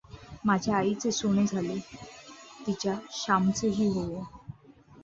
माझ्या आईचे सोने झाले, तिच्या श्यामचेही होवो.